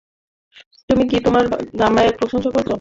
তুমি কি তোমার জামাইয়ের প্রশংসা করছ?